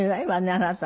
あなた。